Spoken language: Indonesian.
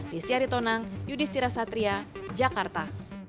desyari tonang yudhistira satria jakarta